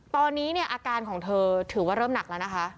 ตอนนี้เนี่ยอาการของเธอถือว่าเริ่มหนักแล้วนะคะ